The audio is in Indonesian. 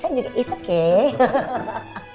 saya juga gak apa apa